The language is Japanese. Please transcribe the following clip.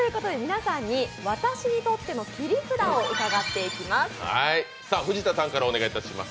今日は皆さんに「私にとっての切り札」を伺っていきます。